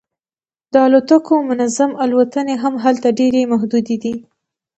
د الوتکو منظم الوتنې هم هلته ډیرې محدودې دي